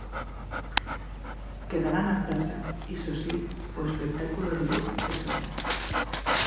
Quedará na praza, iso si, o espectáculo de luz e son.